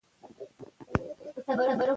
ماشومان به لار تعقیب کړي.